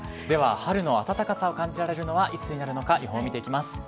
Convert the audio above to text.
では、春の暖かさを感じられるのはいつになるのか予想を見ていきます。